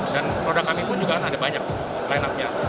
dan produk kami pun juga ada banyak line up nya